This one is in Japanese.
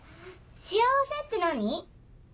幸せって何？